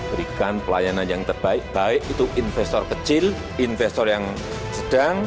berikan pelayanan yang terbaik baik itu investor kecil investor yang sedang